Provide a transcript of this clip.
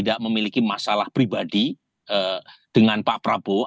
tidak memiliki masalah pribadi dengan pak prabowo